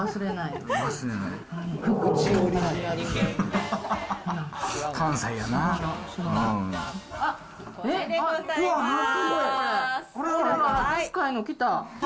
でっかいの来た。